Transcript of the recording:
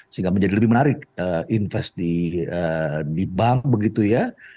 sehingga menjadi lebih menarik invest di bank begitu ya